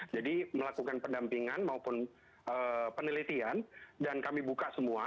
jadi melakukan pendampingan maupun penelitian dan kami buka semua